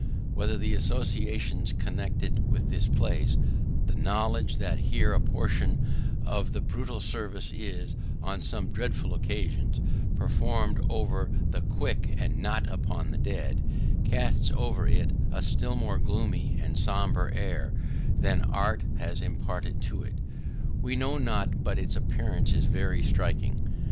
Whether the associations connected with the place the knowledge that here a portion of the burial service is, on some dreadful occasions, performed over the quick and not upon the dead cast over it a still more gloomy and sombre air than art has imparted to it, we know not, but its appearance is very striking.